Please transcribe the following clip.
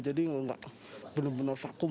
jadi nggak bener bener vakum